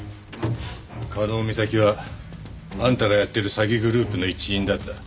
加納美咲はあんたがやっている詐欺グループの一員だった。